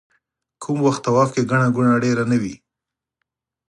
کوم وخت طواف کې ګڼه ګوڼه ډېره نه وي.